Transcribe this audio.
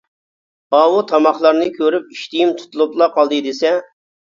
ئاۋۇ تاماقلارنى كۆرۈپ ئىشتىيىم تۇتۇپلا قالدى دېسە!